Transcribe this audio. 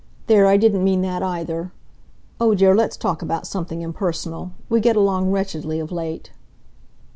There, I didn't mean that, either. Oh, dear, let's talk about something impersonal. We get along wretchedly of late."